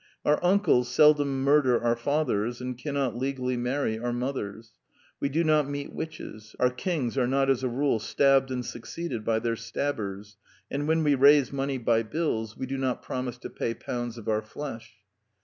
Our uncles seldom murder our fathers, and can not legally marry our mothers; we do not meet witches; our kings are not as a rule stabbed and succeeded by their stabbers; and when we raise money by bills we do not promise to pay pounds of our flesh.